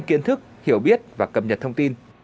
kiến thức hiểu biết và cập nhật thông tin